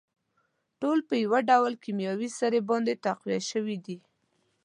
ټول په يوه ډول کيمياوي سرې باندې تقويه شوي دي.